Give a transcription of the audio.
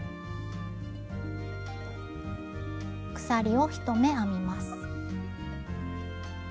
鎖を１目編みます。